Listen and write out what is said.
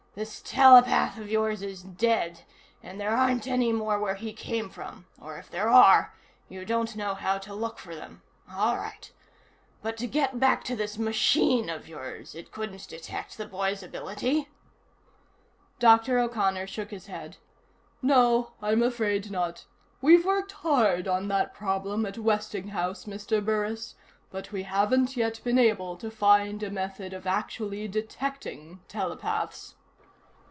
"This telepath of yours is dead, and there aren't any more where he came from. Or if there are, you don't know how to look for them. All right. But to get back to this machine of yours: it couldn't detect the boy's ability?" Dr. O'Connor shook his head. "No, I'm afraid not. We've worked hard on that problem at Westinghouse, Mr. Burris, but we haven't yet been able to find a method of actually detecting telepaths."